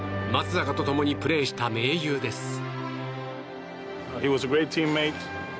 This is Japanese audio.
松坂と共にプレーした盟友です。